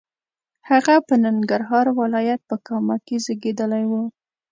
هغه په ننګرهار ولایت په کامه کې زیږېدلی و.